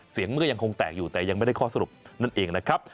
เสียงมันก็ยังคงแตกอยู่แต่ยังไม่ได้ข้อสรุปนั่นเองนะครับ